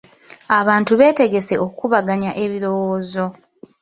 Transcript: Abantu baategese okukubaganya ebirowoozo.